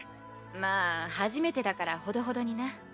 まあ初めてだからほどほどにな。